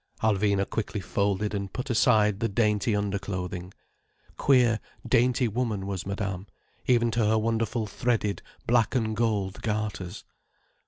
Alvina quickly folded and put aside the dainty underclothing. Queer, dainty woman, was Madame, even to her wonderful threaded black and gold garters.